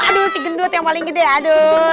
aduh si gendut yang paling gede aduh